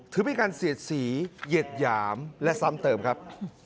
ถือเป็นการเสียดสีเหยียดหยามและซ้ำเติมครับ